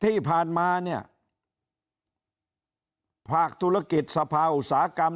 ที่ผ่านมาพากธุรกิจสภาอุตสาหกรรม